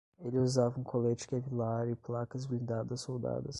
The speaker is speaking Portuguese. Ele usava um colete kevlar e placas blindadas soldadas